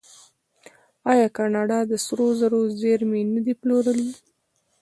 آیا کاناډا د سرو زرو زیرمې نه دي پلورلي؟